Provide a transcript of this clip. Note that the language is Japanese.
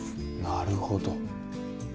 なるほど。